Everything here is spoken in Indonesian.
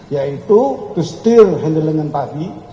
yaitu bestir handlingan tadi